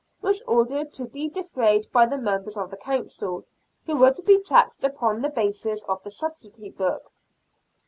was ordered to be defrayed by the members of the Council, who were to be taxed upon the basis of the subsidy book.